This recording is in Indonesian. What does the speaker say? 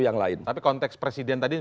yang lain tapi konteks presiden tadi